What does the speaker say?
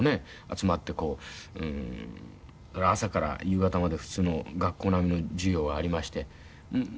集まってこう朝から夕方まで普通の学校並みの授業がありまして。